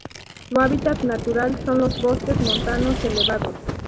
Su hábitat natural son los bosques montanos elevados.